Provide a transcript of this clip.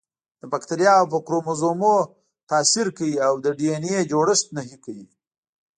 د باکتریاوو په کروموزومونو تاثیر کوي او د ډي این اې جوړښت نهي کوي.